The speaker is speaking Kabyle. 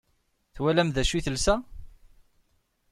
Twalam d acu i telsa?